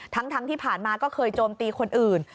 ทั้งที่ผ่านมาก็เคยโจมตีคนอื่น